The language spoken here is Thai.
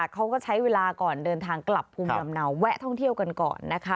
เขาก็ใช้เวลาก่อนเดินทางกลับภูมิลำเนาแวะท่องเที่ยวกันก่อนนะคะ